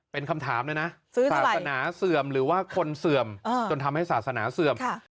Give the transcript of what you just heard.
เป็นคำถามเลยนะศาสนาเสื่อมหรือว่าคนเสื่อมจนทำให้ศาสนาเสื่อม